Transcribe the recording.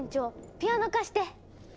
ピアノ貸して！